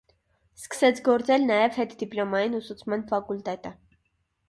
Սկսեց գործել նաև հետդիպլոմային ուսուցման ֆակուլտետը։